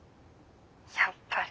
やっぱり。